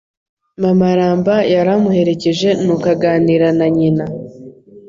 Mama Ramba yaramuherekeje nuko aganira na Nyina